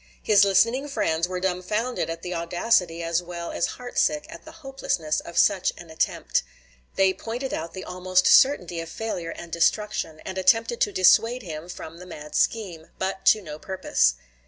His listening friends were dumfounded at the audacity as well as heart sick at the hopelessness of such an attempt. They pointed out the almost certainty of failure and destruction, and attempted to dissuade him from the mad scheme; but to no purpose.